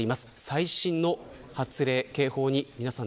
最新の発令、警報に皆さん